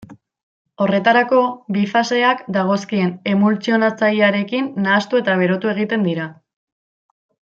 Horretarako, bi faseak dagozkien emultsionatzailearekin nahastu eta berotu egiten dira.